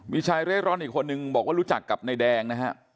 มีชายเร่ร่อนอีกคนนึงบอกว่ารู้จักกับนายแดงนะฮะ